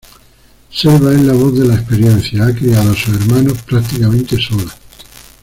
Selva es la voz de la experiencia, ha criado a sus hermanos prácticamente sola.